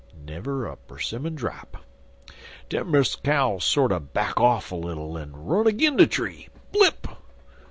Na'er 'simmon drap. Den Miss Cow sorter back off little, en run agin de tree blip!